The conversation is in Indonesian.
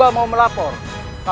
aku harus mencari cara